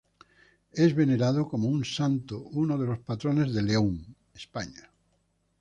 Es venerado como un santo, uno de los patrones de León, España.